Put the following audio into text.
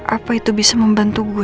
apa itu bisa membantu gue